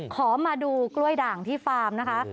ขอมาดูกล้วยด่างที่ฟาร์มนะคะ